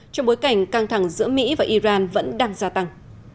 trong bối cảnh căng thẳng giữa mỹ và iran vẫn đang gia tăng